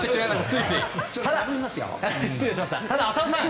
ただ、浅尾さん